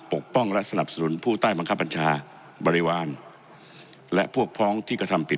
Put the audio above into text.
ปกป้องและสนับสนุนผู้ใต้บังคับบัญชาบริวารและพวกพ้องที่กระทำผิด